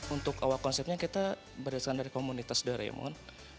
untuk awal konsepnya kita berdasarkan dari komunitas doraemon